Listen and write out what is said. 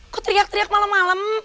kok teriak teriak malem malem